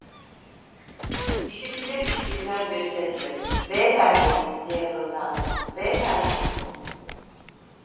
İşitilir, işitilmez bir sesle: "Beyefendi!" diye mırıldandı: "Beyefendi…"